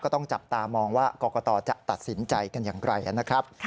ต้องจับตามองว่ากรกตจะตัดสินใจกันอย่างไรนะครับ